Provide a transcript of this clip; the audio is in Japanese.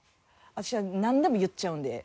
私なんでも言っちゃうんで。